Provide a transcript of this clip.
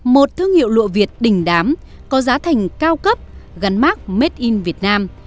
một thương hiệu lụa việt đỉnh đám có giá thành cao cấp gắn mát made in việt nam